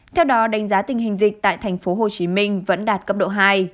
theo đó đánh giá tình hình dịch tại tp hcm vẫn đạt cấp độ hai